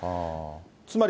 つまり。